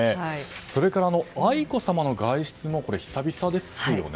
それから、愛子さまの外出も久々ですよね。